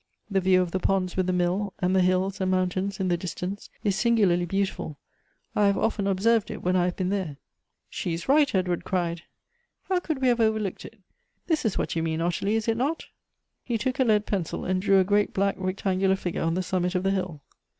The view of the ponds with the mill, and the hills and moun tains in the distance, is singularly beautiful — I have often observed it when I have been there." " She is right," Edward cried ;" how could we have overlooked it. This is what you mean, Ottilie, is it not ?" He took a lead pencil, and drew a great black rectangular figure on the summit of the hill.